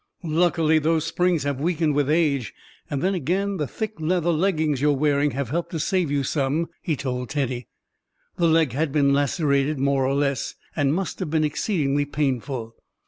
"Luckily those springs have weakened with age; and then again the thick leather leggings you're wearing have helped to save you some," he told Teddy. The leg had been lacerated more or less, and must have been exceedingly painful.